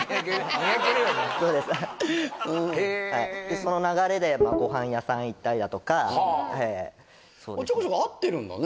その流れでご飯屋さん行ったりだとかちょこちょこ会ってるんだね